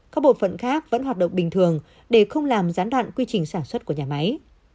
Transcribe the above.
các bộ phận khác vẫn hoạt động bình thường để không làm gián đoạn quy trình sản xuất của nhà máy